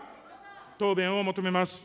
答弁を求めます。